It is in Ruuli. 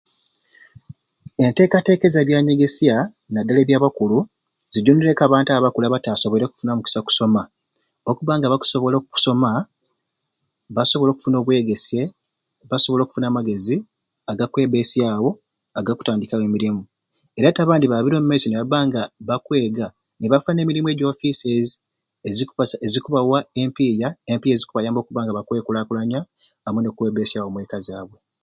Enteekateeka za byanyegesya naddala ebya bakulu zijunireku abantu abo abakulu abataasobwrire kufuna mukisa ogwo ogwa kusoma okubba nga bakusobola okusoma basobole okufuna obwegesye, basobole okufuna amagezi agakwebbesyawo agakutandikawo emirimu era te abandi baabire ni babba nga bakwega nibafuna emirimu egyofisezi ezikubas ezikubawa empiiya empiiya ezikubayamba okubba nga bakwekulakulanya amwe n'okwebesyawo omweka zaabwe.